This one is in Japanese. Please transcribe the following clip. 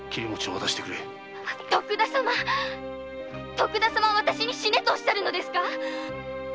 徳田様はあたしに死ねとおっしゃるのですか！